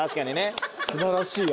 素晴らしいよ。